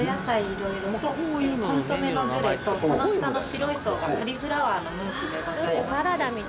色々とコンソメのジュレとその下の白い層がカリフラワーのムースでございます